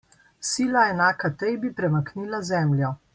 Sila, enaka tej, bi premaknila Zemljo.